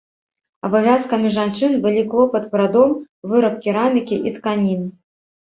Абавязкамі жанчын былі клопат пра дом, выраб керамікі і тканін.